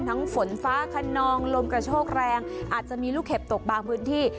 ฝนฟ้าขนองลมกระโชกแรงอาจจะมีลูกเห็บตกบางพื้นที่